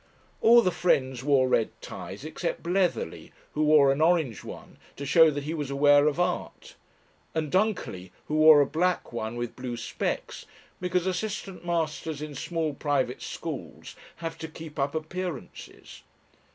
All the Friends wore red ties except Bletherley, who wore an orange one to show that he was aware of Art, and Dunkerley, who wore a black one with blue specks, because assistant masters in small private schools have to keep up appearances.